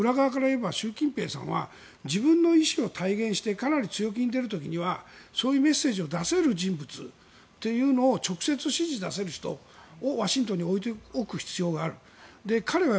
ということは裏から言えば習近平さんは自分の意思を体現して強気に行く時にはそういうメッセージを出せる人物というのを直接指示を出せる人をワシントンに置く必要がある。